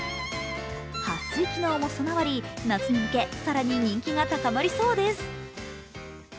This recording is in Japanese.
はっ水機能も備わり、夏に向け更に人気が高まりそうです。